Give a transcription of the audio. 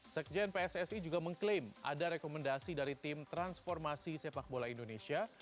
sekjen pssi juga mengklaim ada rekomendasi dari tim transformasi sepak bola indonesia